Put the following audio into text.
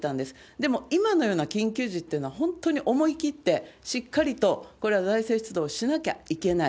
でも今のような緊急時っていうのは、本当に思い切って、しっかりとこれは財政出動しなきゃいけない。